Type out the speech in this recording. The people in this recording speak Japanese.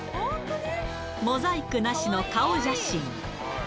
モザイクなしの顔写真。